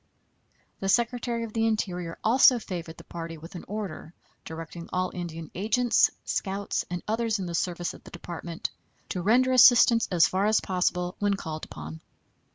The Secretary of the Interior also favored the party with an order, directing all Indian agents, scouts, and others in the service of the Department to render assistance as far as possible when called upon.